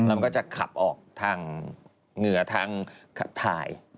แล้วมันก็จะขับออกทางเหงื่อทางถ่าย